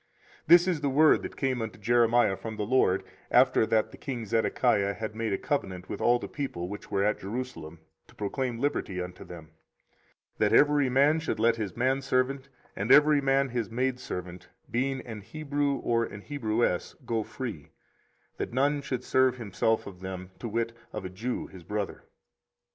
24:034:008 This is the word that came unto Jeremiah from the LORD, after that the king Zedekiah had made a covenant with all the people which were at Jerusalem, to proclaim liberty unto them; 24:034:009 That every man should let his manservant, and every man his maidservant, being an Hebrew or an Hebrewess, go free; that none should serve himself of them, to wit, of a Jew his brother.